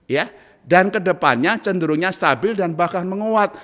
ya dan kedepannya cenderungnya stabil dan bahkan menguat